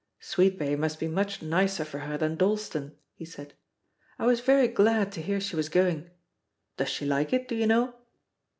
"Sweetbay must be much nicer for her than Dalston," he said; "I was very glad to hear she was going. Does she like it, do you know?"